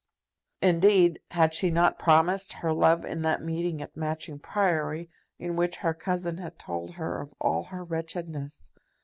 Indeed, had she not promised her love in that meeting at Matching Priory in which her cousin had told her of all her wretchedness?